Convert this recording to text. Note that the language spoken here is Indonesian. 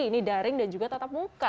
ini daring dan juga tetap muka